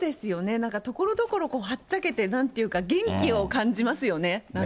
なんかところどころ、はっちゃけて、なんか元気を感じますよね。